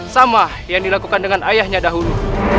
sama yang dilakukan dengan ayahnya dahulu